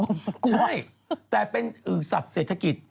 มันกลัวใช่แต่เป็นสัตว์เศรษฐกิจ